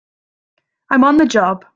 I'm on the job!